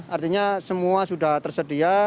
artinya semua sudah tersedia